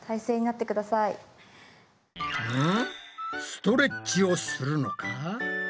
ストレッチをするのか？